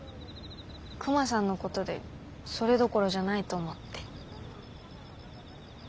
クマさんのことでそれどころじゃないと思って。